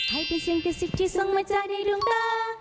ให้เป็นเสียงกระสิทธิ์ที่ส่งมาจากในดวงตา